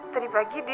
tadi pagi dia